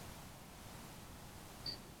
吴宽葬于木渎西花园山。